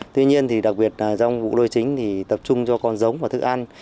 tuy nhiên thì đặc biệt trong vụ đôi chính thì tập trung cho con giống và thức ăn